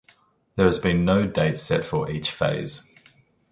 There has been no date set for each phase.